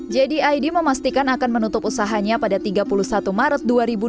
jdid memastikan akan menutup usahanya pada tiga puluh satu maret dua ribu dua puluh